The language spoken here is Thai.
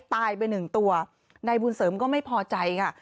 ตายไปหนึ่งตัวนายบุญเสริมก็ไม่พอใจค่ะ